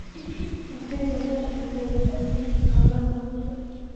دې ذهنیت ته د دروني ستونزو د حل لاره معلومه نه ده.